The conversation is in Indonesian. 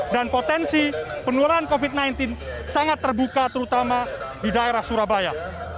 dan potensi penularan covid sembilan belas sangat terbuka terutama di daerah surabaya